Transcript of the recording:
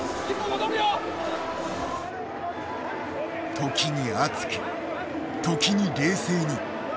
時に熱く時に冷静に。